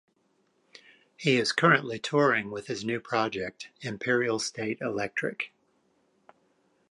He is currently touring with his new project, Imperial State Electric.